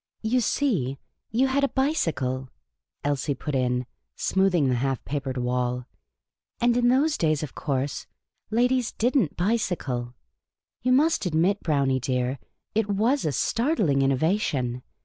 " You see, you had a bicycle," Elsie put in, smoothing the half papered wall ;" and in those days, of course, ladies did n't bicycle. You must admit, Brownie, dear, it 7c>as a startling innovation.